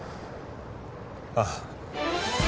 ああ。